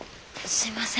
すいません。